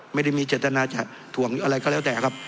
ไม่ได้มีเจตนาจะถ่วงหรืออะไรก็แล้วแต่ครับ